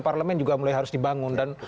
parlement juga mulai harus dibangun